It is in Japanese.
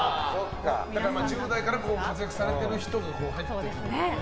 １０代から活躍されてる人が入ってくるんだね。